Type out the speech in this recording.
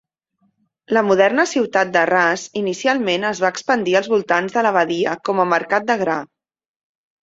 La moderna ciutat d'Arràs inicialment es va expandir als voltants de l'abadia com a mercat de gra.